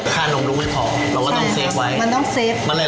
ค่านมรู้ไม่พอเราก็ต้องเซฟไว้